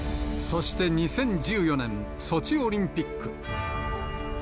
そして２０１４年、ソチオリンピック。